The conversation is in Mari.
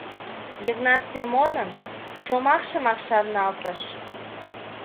— Йыгнат Семонын шомакшымак шарналтыш.